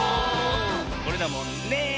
これだもんね。